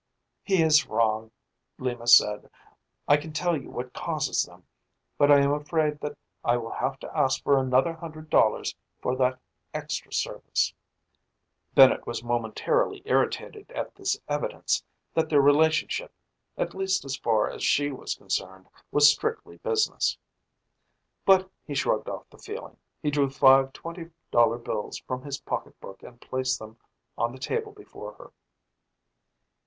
"He is wrong," Lima said. "I can tell you what causes them, but I am afraid that I will have to ask for another hundred dollars for that extra service." Bennett was momentarily irritated at this evidence that their relationship, at least as far as she was concerned, was strictly business. But he shrugged off the feeling. He drew five twenty dollar bills from his pocketbook and placed them on the table before her.